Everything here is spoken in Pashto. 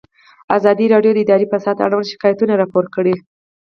ازادي راډیو د اداري فساد اړوند شکایتونه راپور کړي.